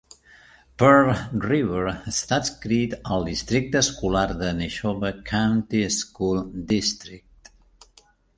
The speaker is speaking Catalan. Pearl River està adscrit al districte escolar de Neshoba County School District.